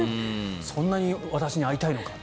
そんなに私に会いたいのか。